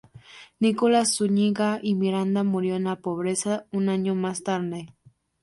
Nicolás Zúñiga y Miranda murió en la pobreza un año más tarde.